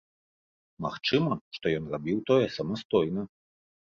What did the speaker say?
Магчыма, што ён рабіў тое самастойна.